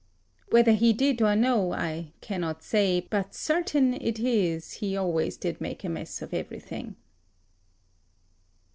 Whether he did or no, I cannot say, but certain it is he always did make a mess of everything.